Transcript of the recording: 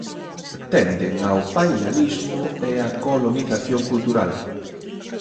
Tenden ao pailanismo e a colonización cultural.